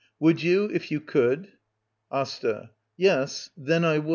Would you — if you could ? Asta. Yes, then I would.